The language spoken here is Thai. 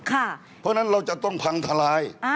เพราะฉะนั้นเราจะต้องพังทลาย